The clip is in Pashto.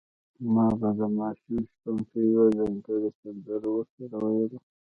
ما به د ماشوم شپونکي یوه ځانګړې سندره ورسره ویله.